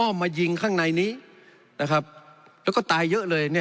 อ้อมมายิงข้างในนี้แล้วก็ตายเยอะเลย